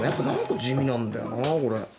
何か地味なんだよなこれ。